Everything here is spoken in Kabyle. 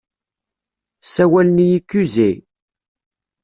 Ssawalen-iyi Kuzey.